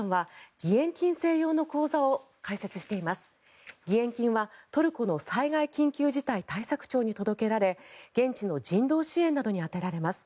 義援金はトルコの災害緊急事態対策庁に届けられ現地の人道支援などに充てられます。